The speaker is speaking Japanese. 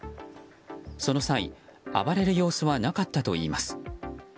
その際、暴れる様子はなかったといいます。